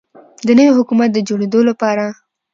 د نوي حکومت د جوړیدو لپاره